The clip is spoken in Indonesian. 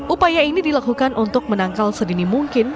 upaya ini dilakukan untuk menangkal sedini mungkin